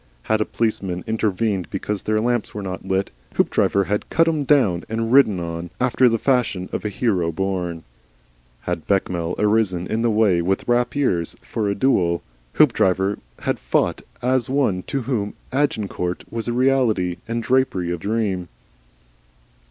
Had a policeman intervened because their lamps were not lit, Hoopdriver had cut him down and ridden on, after the fashion of a hero born. Had Bechamel arisen in the way with rapiers for a duel, Hoopdriver had fought as one to whom Agincourt was a reality and drapery a dream.